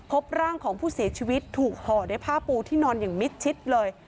พบร่างของผู้เสียชีวิตถูกห่อด้วยผ้าปูที่นอนอย่างมิดชิดเลย